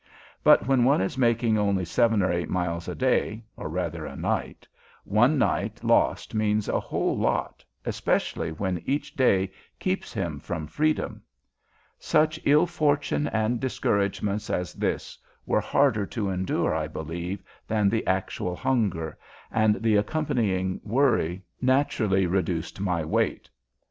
But when one is making only seven or eight miles a day, or rather a night, one night lost means a whole lot, especially when each day keeps him from freedom. Such ill fortune and discouragements as this were harder to endure, I believe, than the actual hunger, and the accompanying worry naturally reduced my weight.